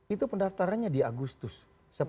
itu pendaftarannya di agustus